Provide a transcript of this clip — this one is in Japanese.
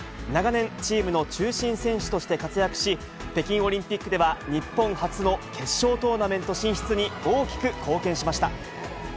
長年、チームの中心選手として活躍し、北京オリンピックでは日本初の決勝トーナメント進出に大きく貢献しました。